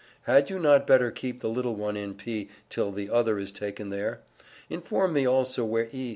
Had you not better keep the little one in P. till the other is taken there? Inform me also where E.